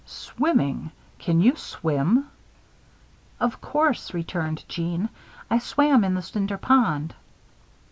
"Swimming! Can you swim?" "Of course," returned Jeanne. "I swam in the Cinder Pond."